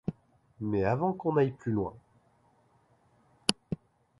Mais avant qu'on aille plus loin.